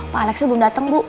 pak alexnya belum dateng bu